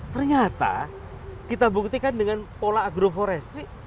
ternyata kita buktikan dengan pola agroforestry